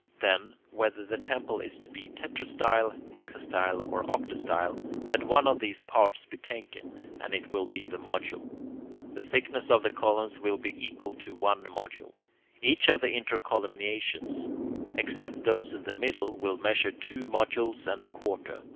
Then, whether the temple is to be tetrastyle, hexastyle, or octastyle, let one of these parts be taken, and it will be the module. The thickness of the columns will be equal to one module. Each of the intercolumniations, except those in the middle, will measure two modules and a quarter.